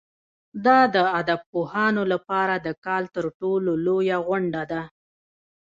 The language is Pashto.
دا د ادبپوهانو لپاره د کال تر ټولو لویه غونډه ده.